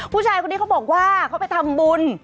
ผู้ชายคนนี้เขาบอกว่าเขาไปทำบุญ